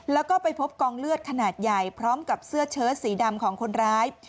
แล้วก็ไปพบกองเลือดขนาดใหญ่พร้อมกับเสื้อเชิดสีดำของคนร้าย